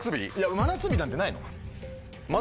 真夏日なんてないの？